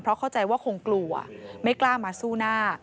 เพราะเข้าใจว่าคงกลัวไม่กล้ามาสู้หน้า